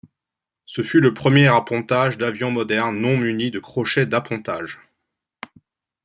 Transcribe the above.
Ce fut le premier appontage d'avions modernes non munis de crochets d'appontage.